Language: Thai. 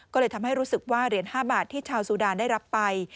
ก็เลยทำให้รู้สึกว่าเหรียญ๕บาทที่ชาวซูดานได้รับไป